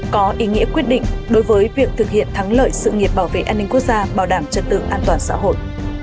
có ý nghĩa quyết định đối với việc thực hiện thắng lợi sự nghiệp bảo vệ an ninh quốc gia bảo đảm trật tự an toàn xã hội